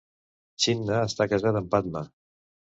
Chinna està casat amb Padma.